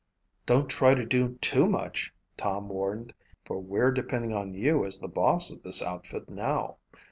"Don't try to do too much," Tom warned, "for we're depending on you as the boss of this outfit now.